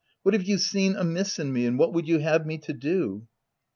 What have you seen amiss in me ; and what would you have me to do }"